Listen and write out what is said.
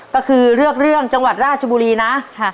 ก็คือเลือกเรื่องจังหวัดราชบุรีนะ